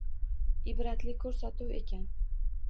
Ibratli ko‘rsatuv ekan.